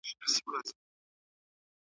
خلکو ویره او خپګان تجربه کړ.